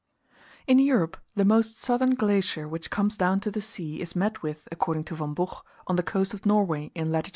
In Europe, the most southern glacier which comes down to the sea is met with, according to Von Buch, on the coast of Norway, in lat.